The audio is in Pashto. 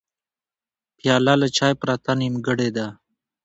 پیاله له چای پرته نیمګړې ده.